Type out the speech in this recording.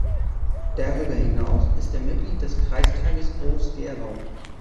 Darüber hinaus ist er Mitglied des Kreistages Groß-Gerau.